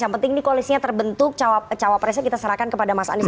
yang penting ini koalisinya terbentuk cawa pressnya kita serahkan kepada mas anies